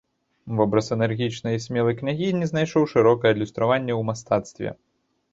Вобраз энергічнай і смелай княгіні знайшоў шырокае адлюстраванне ў мастацтве.